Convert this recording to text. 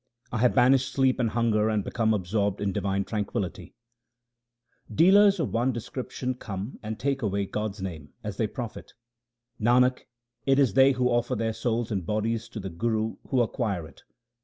I have banished sleep and hunger and become absorbed in divine tranquillity. 1 The body is meant. 312 THE SIKH RELIGION Dealers of one description 1 come and take away God's name as their profit : Nanak, it is they who offer their souls and bodies to the Guru who acquire it.